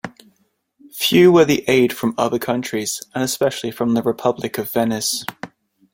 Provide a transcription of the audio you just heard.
Few were the aid from other countries and especially from the Republic of Venice.